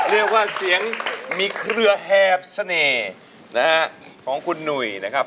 เรียกว่าเสียงมีเครือแหบเสน่ห์นะฮะของคุณหนุ่ยนะครับ